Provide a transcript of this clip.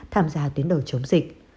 tham gia tuyến đầu chống dịch